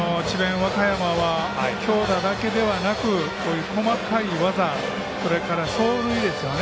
和歌山は強打だけではなくこういう細かい技それから走塁ですよね。